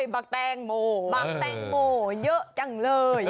บักแตงโมเยอะจังเลย